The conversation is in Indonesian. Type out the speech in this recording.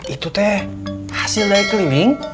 itu teh hasil dari keliling